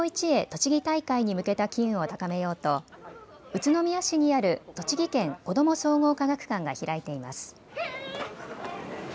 とちぎ大会に向けた機運を高めようと宇都宮市にある栃木県子ども総合科学館が開いています。